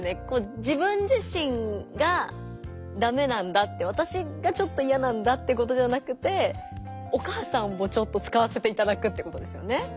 自分自身がダメなんだってわたしがちょっといやなんだってことじゃなくてお母さんもちょっと使わせていただくってことですよね。